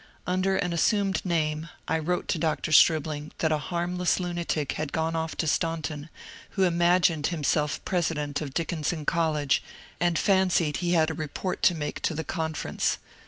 Under an assumed name, I wrote to Dr. Stribling that a harmless lunatic had gone off to Staunton, who imagined himself pre sident of Dickinson College, and fancied he had a report to make to the Conference.